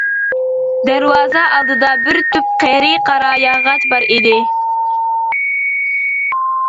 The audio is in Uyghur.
دەرۋازا ئالدىدا بىر تۈپ قېرى قاراياغاچ بار ئىدى.